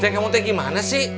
ceng kamu tahu bagaimana sih